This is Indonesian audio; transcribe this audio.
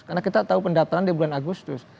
karena kita tahu pendatangan di bulan agustus